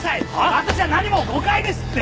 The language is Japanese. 私は何も誤解ですって！